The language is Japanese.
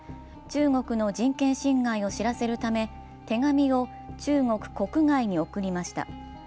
中国の人権侵害を知らせるため手紙を中国国外に送りました。